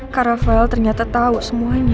kak rafael ternyata tahu semuanya